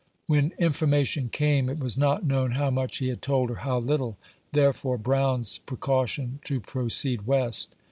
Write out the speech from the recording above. When information came, it was not known how much he had told or how little ; therefore Brown's pre caution to proceed West.